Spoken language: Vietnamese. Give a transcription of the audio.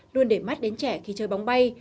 luôn để mắt đến trẻ khi chơi bóng bay